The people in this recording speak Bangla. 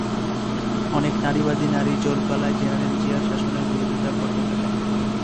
অনেক নারীবাদী নারী জোর গলায় জেনারেল জিয়ার শাসনের বিরোধিতা করতে থাকেন।